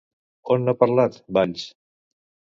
On n'ha parlat, Valls?